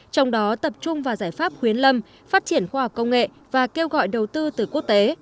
trong đó tập trung vào giải pháp khuyến lâm phát triển khoa học công nghệ và kêu gọi đầu tư từ quốc tế